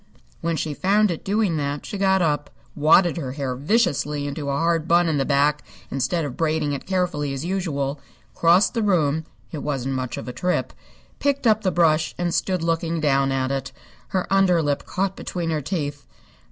When she found it doing that she got up, wadded her hair viciously into a hard bun in the back instead of braiding it carefully as usual, crossed the room (it wasn't much of a trip), picked up the brush, and stood looking down at it, her under lip caught between her teeth.